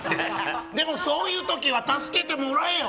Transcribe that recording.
でも、そういう時は助けてもらえよ。